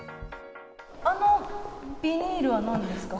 あのビニールはなんですか？